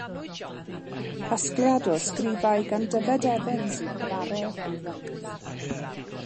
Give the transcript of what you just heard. Casgliad o ysgrifau gan Dyfed Evans yw Cyfaredd Eifionydd.